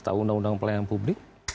atau undang undang pelayanan publik